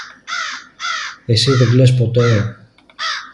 Εσύ δεν κλαις ποτέ;